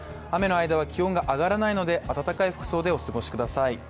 雨の間は気温が上がらないので、暖かい服装でお過ごしください。